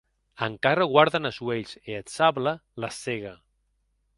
Encara guarden es uelhs, e eth sable les cègue.